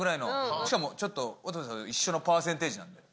しかもちょっと渡部さんと一緒のパーセンテージなんで。